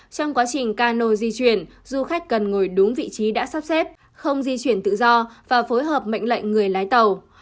trong quá trình cano di chuyển du khách cần ngồi đúng vị trí đã sắp xếp không di chuyển tự do và phối hợp mệnh lệnh người lái tàu